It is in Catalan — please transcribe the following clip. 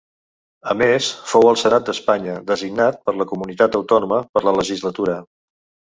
A més fou al Senat d'Espanya designat per la Comunitat autònoma per la legislatura.